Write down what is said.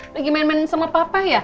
lagi main main sama papa ya